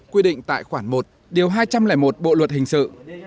quy định tại khoản một điều hai trăm linh một bộ luật hình sự